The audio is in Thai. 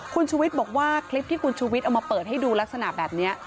คุณชุวิตบอกว่าคลิปที่คุณชูวิทย์เอามาเปิดให้ดูลักษณะแบบนี้